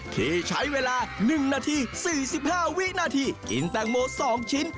ที่ใช้เวลา๑นาที๔๕วินาทีกินแตงโม๒ชิ้น